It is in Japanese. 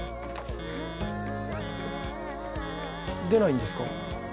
出ないんですか？